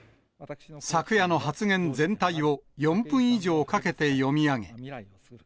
昨夜の発言全体を４分以上かけて読み上げ。